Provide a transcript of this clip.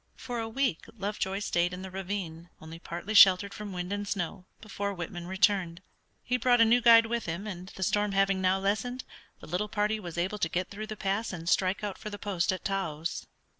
For a week Lovejoy stayed in the ravine, only partly sheltered from wind and snow, before Whitman returned. He brought a new guide with him, and, the storm having now lessened, the little party was able to get through the pass and strike out for the post at Taos.